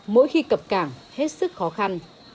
mỗi khi cập cảng hết sức khó khăn